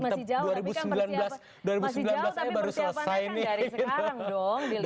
masih jauh tapi persiapannya kan dari sekarang dong